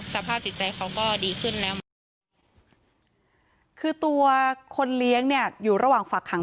สภาพจิตใจเขาก็ดีขึ้นแล้วเหมือนกันคือตัวคนเลี้ยงเนี่ยอยู่ระหว่างฝากขัง